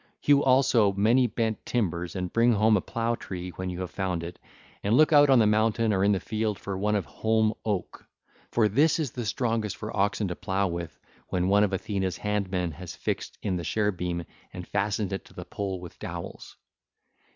Hew also many bent timbers, and bring home a plough tree when you have found it, and look out on the mountain or in the field for one of holm oak; for this is the strongest for oxen to plough with when one of Athena's handmen has fixed in the share beam and fastened it to the pole with dowels.